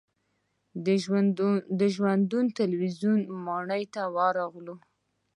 د ژوندون تلویزیون ماڼۍ ته ورغلو.